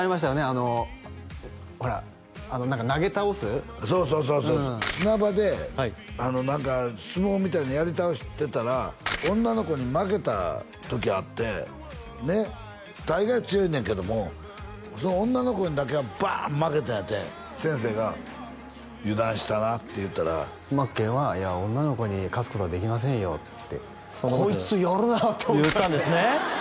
あのほら何か投げ倒すそうそうそうそう砂場で相撲みたいなやり倒してたら女の子に負けた時あってねっ大概強いねんけどもその女の子にだけはバンッ負けたんやって先生が「油断したな」って言ったらまっけんは「いや女の子に勝つことはできませんよ」ってこいつやるなと思ったって言ったんですね